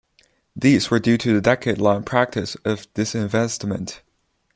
These were due to the decade-long practice of disinvestment.